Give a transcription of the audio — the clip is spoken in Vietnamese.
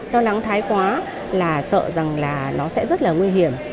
lo lắng thái quá là sợ rằng là nó sẽ rất là nguy hiểm